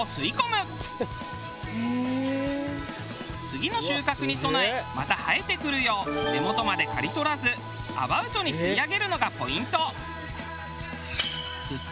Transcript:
次の収穫に備えまた生えてくるよう根元まで刈り取らずアバウトに吸い上げるのがポイント。